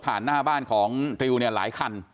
หน้าบ้านของริวเนี่ยหลายคัน